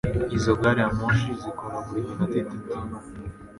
Izo gari ya moshi zikora buri minota itatu.